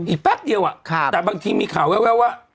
แป๊บเดียวแต่บางทีมีข่าวแววว่า